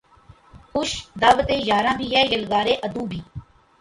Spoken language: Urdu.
خوش دعوت یاراں بھی ہے یلغار عدو بھی